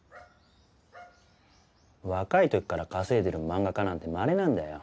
若い時から稼いでる漫画家なんてまれなんだよ。